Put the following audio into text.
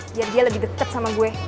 biar dia lebih dekat sama gue